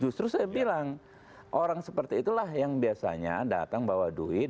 justru saya bilang orang seperti itulah yang biasanya datang bawa duit